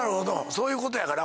そういうことやから。